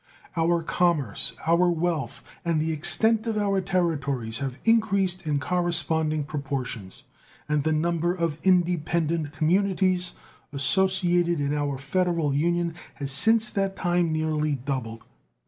Our commerce, our wealth, and the extent of our territories have increased in corresponding proportions, and the number of independent communities associated in our Federal Union has since that time nearly doubled.